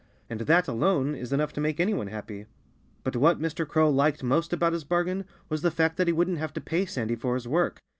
And that alone is enough to make any one happy. But what Mr. Crow liked most about his bargain was the fact that he wouldn't have to pay Sandy for his work.